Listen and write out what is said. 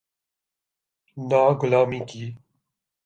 نہ غلامی کی۔